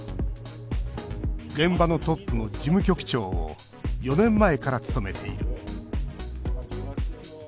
現場のトップの事務局長を４年前から務めている。